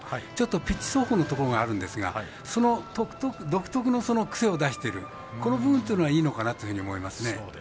ピッチ走行のところがあるんですが独特の癖を出しているこの部分というのはいいのかなというふうに思いますね。